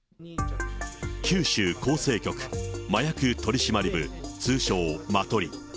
九州厚生局麻薬取締部、通称マトリ。